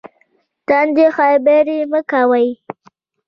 تندې خبرې مه کوئ